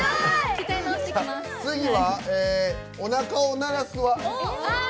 次はおなかを鳴らすは？